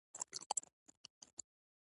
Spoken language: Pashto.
مرګ د نړۍ دروازه بنده کوي.